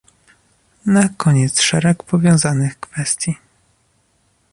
Na koniec szereg powiązanych kwestii